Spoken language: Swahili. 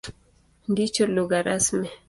Ndicho lugha rasmi.